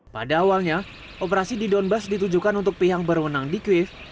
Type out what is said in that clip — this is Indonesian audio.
pada awalnya operasi di donbass ditujukan untuk pihak berwenang di kuef